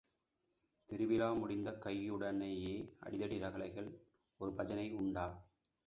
திருவிழா முடித்த கையுடனேயே அடிதடி ரகளைகள், ஒரு பஜனை உண்டா?